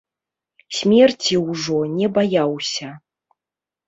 Смерці ўжо не баяўся.